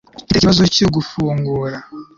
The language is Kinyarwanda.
mfite ikibazo cyo gufungura